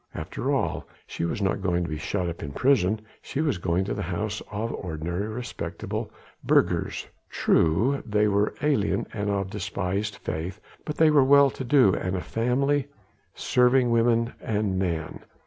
After all, she was not going to be shut up in prison! she was going to the house of ordinary, respectable burghers; true, they were of alien and of despised faith, but they were well to do, had a family, serving women and men.